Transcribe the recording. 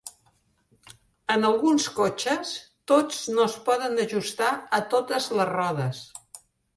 En alguns cotxes, tots no es poden ajustar a totes les rodes.